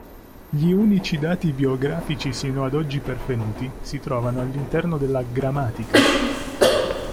Gli unici dati biografici sino ad oggi pervenuti si trovano all'interno della "Gramatica".